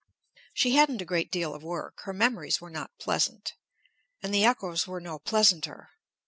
She hadn't a great deal of work; her memories were not pleasant; and the echoes were no pleasanter.